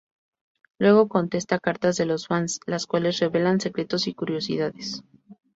Luego contesta cartas de los fans, las cuales revelan secretos y curiosidades.